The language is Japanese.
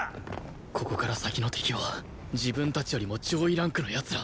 ここから先の敵は自分たちよりも上位ランクの奴ら